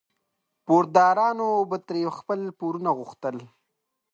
پوردارانو به ترې خپل پورونه غوښتل.